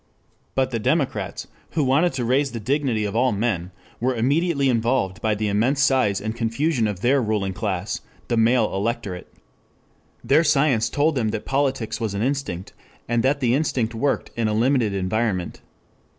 But the democrats, who wanted to raise the dignity of all men, were immediately involved by the immense size and confusion of their ruling class the male electorate. Their science told them that politics was an instinct, and that the instinct worked in a limited environment.